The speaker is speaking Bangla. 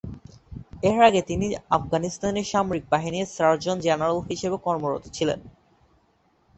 এর আগে তিনি আফগানিস্তানের সামরিক বাহিনীর সার্জন জেনারেল হিসেবে কর্মরত ছিলেন।